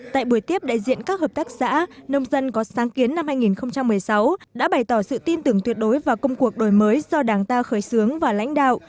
tại buổi tiếp đại diện các hợp tác xã nông dân có sáng kiến năm hai nghìn một mươi sáu đã bày tỏ sự tin tưởng tuyệt đối vào công cuộc đổi mới do đảng ta khởi xướng và lãnh đạo